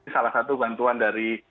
salah satu bantuan dari